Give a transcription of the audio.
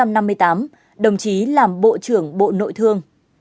năm một nghìn chín trăm năm mươi tám đồng chí làm bộ trưởng bộ nội thương